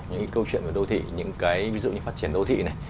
những cái câu chuyện về đô thị những cái ví dụ như phát triển đô thị này